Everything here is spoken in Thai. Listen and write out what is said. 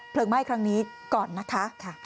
ไหม้ครั้งนี้ก่อนนะคะ